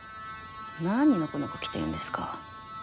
何のこのこ来てるんですか？